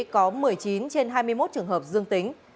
có một mươi chín trên hai mươi một trường hợp dương tính